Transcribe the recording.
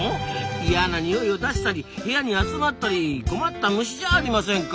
嫌なニオイを出したり部屋に集まったり困った虫じゃありませんか！